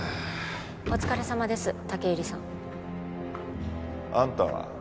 お疲れさまです武入さんあんたは？